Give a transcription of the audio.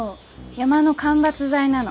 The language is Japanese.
山の間伐材なの。